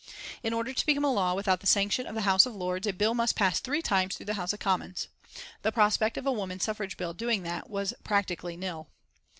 In order to become a law without the sanction of the House of Lords, a bill must pass three times through the House of Commons. The prospect of a woman suffrage bill doing that was practically nil.